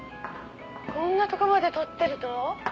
「こんなとこまで撮ってるの？」